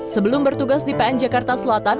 sebelum bertugas di pn jakarta selatan